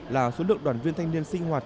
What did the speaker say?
là số lượng đoàn viên thanh niên sinh hoạt